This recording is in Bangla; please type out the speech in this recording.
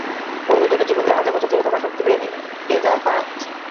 বন্ধুর জন্য জীবন দিয়ে হাজার বছর জেগে থাকার শক্তি পেয়ে যায় ফারাজ।